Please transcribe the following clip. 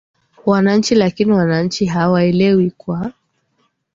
wananchi lakini wananchi hawaelewi kwa